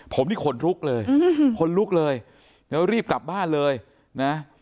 ผมนี่ขนลุกเลยขนลุกเลยแล้วรีบกลับบ้านเลยนะ